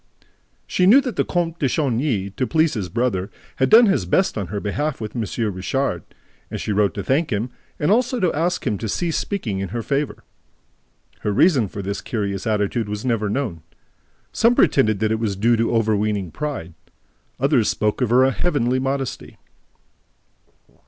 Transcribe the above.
She knew that the Comte de Chagny, to please his brother, had done his best on her behalf with M. Richard; and she wrote to thank him and also to ask him to cease speaking in her favor. Her reason for this curious attitude was never known. Some pretended that it was due to overweening pride; others spoke of her heavenly modesty.